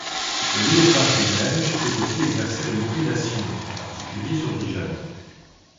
Le léopard des neiges peut aussi exercer une prédation, en particulier sur des jeunes.